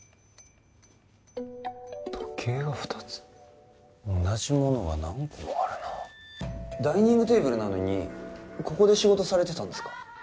時計が２つ同じものが何個もあるなダイニングテーブルなのにここで仕事されてたんですか？